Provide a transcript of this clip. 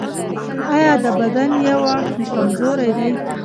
ایا د بدن یو اړخ مو کمزوری دی؟